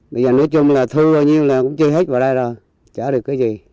bây giờ nói chung là thu bao nhiêu là cũng chưa hết vào đây rồi trả được cái gì